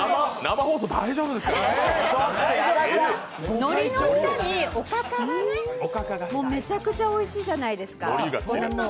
のりの下におかかがめちゃくちゃおいしいじゃないですか。